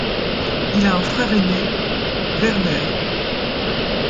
Il a un frère aîné, Werner.